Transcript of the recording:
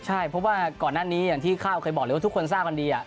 ใช่เพราะว่าก่อนหน้านี้อย่างที่ข้าวเคยบอกเลยว่าทุกคนทราบกันดี